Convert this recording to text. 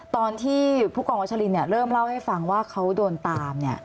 ตอนที่ผู้กองวัชลินเริ่มเล่าให้ฟังว่าเขาโดนตาม